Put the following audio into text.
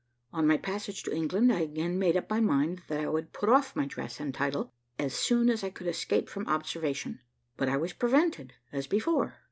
On my passage to England, I again made up my mind that I would put off my dress and title as soon as I could escape from observation; but I was prevented as before.